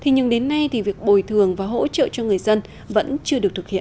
nhưng đến nay việc bồi thường và hỗ trợ cho người dân vẫn chưa được thực hiện